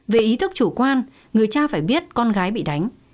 về ý thức chủ quan người cha phải biết con gái bị đánh